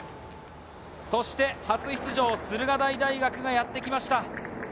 そして初出場、駿河台大学がやってきました。